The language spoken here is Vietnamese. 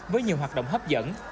với nhiều hoạt động hấp dẫn